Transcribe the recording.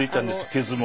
傷も。